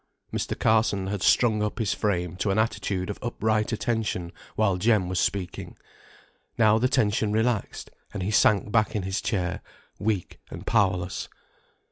Mr. Carson had strung up his frame to an attitude of upright attention while Jem was speaking; now the tension relaxed, and he sank back in his chair, weak and powerless.